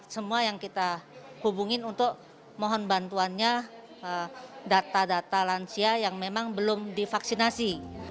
semua yang kita hubungin untuk mohon bantuannya data data lansia yang memang belum divaksinasi